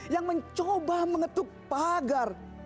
yang mencoba mengetuk pagar